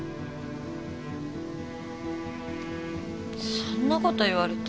そんなこと言われても。